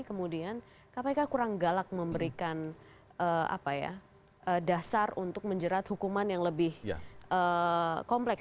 kemudian kpk kurang galak memberikan dasar untuk menjerat hukuman yang lebih kompleks